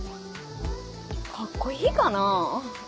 カッコいいかなぁ？